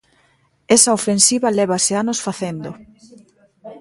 Esa ofensiva lévase anos facendo.